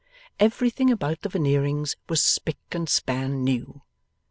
Everything about the Veneerings was spick and span new.